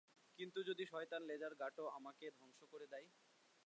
কিন্তু যদি শয়তান লেজার গাটো আমাকে ধ্বংস করে দেয়?